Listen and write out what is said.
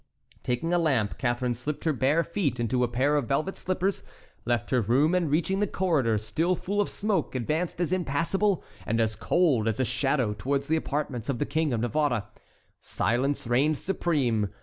Taking a lamp, Catharine slipped her bare feet into a pair of velvet slippers, left her room, and reaching the corridor, still full of smoke, advanced as impassible and as cold as a shadow towards the apartments of the King of Navarre. Silence reigned supreme.